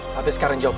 habis sekarang jawab